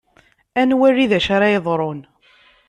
Ad nwali d acu ara yeḍṛun.